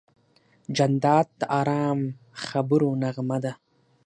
جانداد د ارام خبرو نغمه ده.